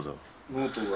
ノートが？